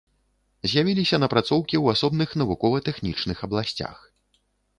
З'явіліся напрацоўкі ў асобных навукова-тэхнічных абласцях.